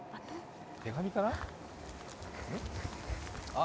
手紙かな。